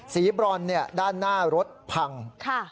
สีบรอนเนี่ยด้านหน้ารถพังค่ะ